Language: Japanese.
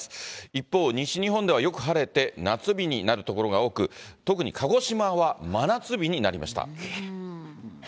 一方、西日本ではよく晴れて、夏日になる所が多く、特に鹿児島は真夏日になりました。